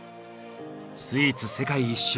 スイーツ世界一周。